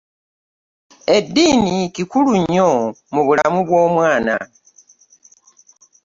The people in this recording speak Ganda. Eddiini kikulu nnyo mu bulamu bw'omwana.